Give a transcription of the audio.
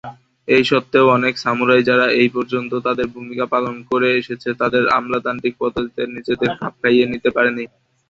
এই সত্ত্বেও, অনেক সামুরাই, যারা এই পর্যন্ত তাদের ভূমিকা পালন করে এসেছে তারা আমলাতান্ত্রিক পদ্ধতিতে নিজেদেরকে খাপ খাইয়ে নিতে পারেনি।